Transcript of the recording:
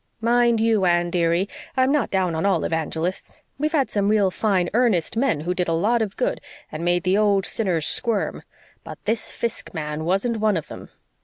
Mind you, Anne dearie, I'm not down on all evangelists. We've had some real fine, earnest men, who did a lot of good and made the old sinners squirm. But this Fiske man wasn't one of them.